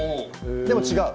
でも違う？